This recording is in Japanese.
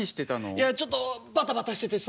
いやちょっとバタバタしててさ。